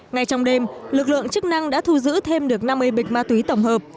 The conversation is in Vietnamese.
ngay trong đêm lực lượng chức năng đã thu giữ thêm được năm mươi bịch ma túy tổng hợp